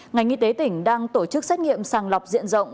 ngành y tế tỉnh đang tổ chức xét nghiệm sàng lọc diện rộng